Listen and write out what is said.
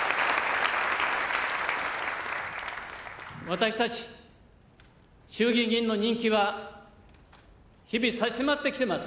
私たち衆議院議員の任期は、日々、差し迫ってきています。